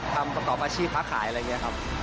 ทำประตอบอาชีพพระขายอะไรอย่างเงี้ยครับ